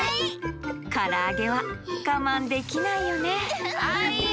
からあげはがまんできないよねはいよ。